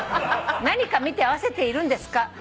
「何か見て合わせているんですか？